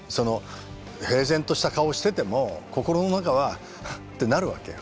平然とした顔をしてても心の中は「ふっ」ってなるわけよ。